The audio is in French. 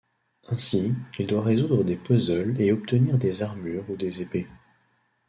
Ainsi, il doit résoudre des puzzles et obtenir des armures ou des épées.